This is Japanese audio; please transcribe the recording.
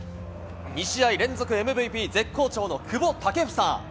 ２試合連続ＭＶＰ、絶好調の久保建英。